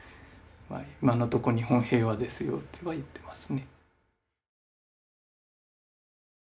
今のとこ日本平和ですよとは言ってますね。